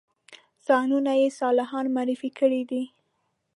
ځانونه یې صالحان معرفي کړي دي.